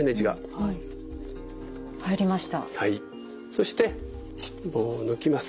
そして棒を抜きます。